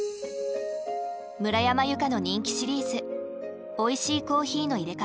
村山由佳の人気シリーズ「おいしいコーヒーのいれ方」。